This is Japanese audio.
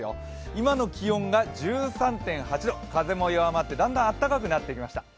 今の気温が１３．８度、風も弱まってだんだんあったかくなってきました。